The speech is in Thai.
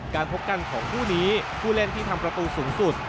การพบกันของคู่นี้ผู้เล่นที่ทำประตูสูงสุด